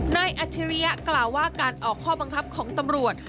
อัจฉริยะกล่าวว่าการออกข้อบังคับของตำรวจ